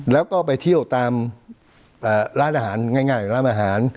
แล้วก็ไปเที่ยวตามร้านอาหารง่ายร้านอาหาร